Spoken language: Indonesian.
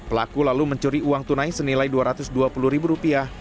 pelaku lalu mencuri uang tunai senilai dua ratus dua puluh ribu rupiah